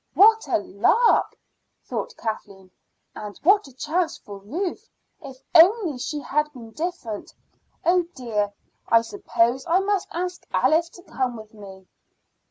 "What a lark!" thought Kathleen. "And what a chance for Ruth if only she had been different! Oh, dear! I suppose I must ask Alice to come with me."